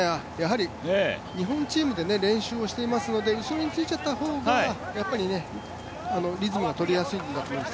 日本チームで練習をしていますので、後ろについちゃった方が、リズムがとりやすいんだと思います。